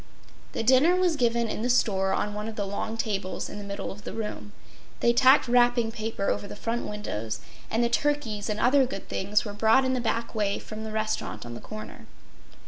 The dinner was given in the store on one of the long tables in the middle of the room. They tacked wrapping paper over the front windows; and the turkeys and other good things were brought in the back way from the restaurant on the corner.